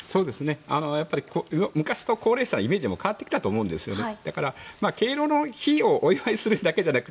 やっぱり昔と高齢者のイメージも変わってきたと思うんですね。